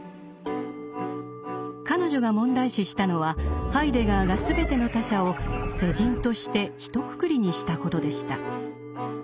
彼女が問題視したのはハイデガーが全ての他者を「世人」としてひとくくりにしたことでした。